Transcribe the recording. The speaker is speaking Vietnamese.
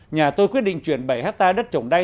nhà tôi quyết định truyền bảy ha đất trồng đay